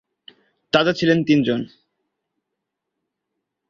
তাতে ছিলেন তিনজন।